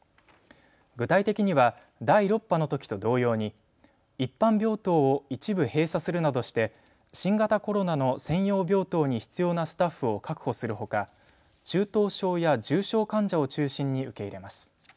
具体的には第６波のときと同様に、一般病棟を一部閉鎖するなどして新型コロナの専用病棟に必要なスタッフを確保するほか中等症や重症患者を中心に受け入れます。